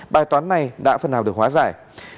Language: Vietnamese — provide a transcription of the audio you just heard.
bài toán này đã phần nào được hóa giải